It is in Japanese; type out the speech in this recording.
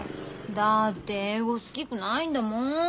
だって英語好きくないんだもん。